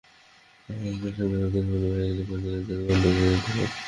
একই সঙ্গে রপ্তানি পণ্যবাহী একটি কনটেইনার জাহাজ বন্দর ছেড়ে যেতে পারেনি।